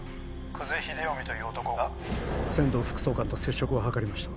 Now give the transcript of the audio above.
「久瀬秀臣という男が千堂副総監と接触を図りました」